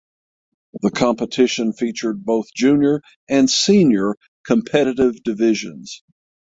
The competition featured both junior and senior competitive divisions.